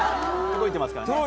届いてますからね。